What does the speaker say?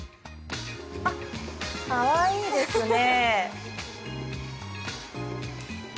かわいいですね。